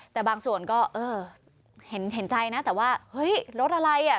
แต่บางส่วนก็เออเห็นใจนะแต่ว่าเฮ้ยรถอะไรอ่ะ